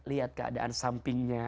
lihat keadaan sampingnya